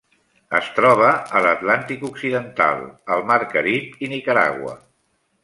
Es troba a l'Atlàntic occidental: el mar Carib i Nicaragua.